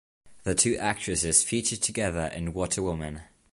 The two actresses featured together in What a Woman!